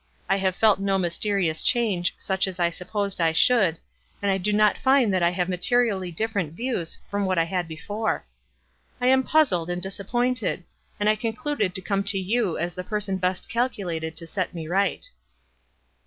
I have felt no mysterious change such as I supposed I should, and I do not find that I have materially different views from what I had before. I am puzzled and disappointed, and I concluded to come to you as the person best cal culated to set me right."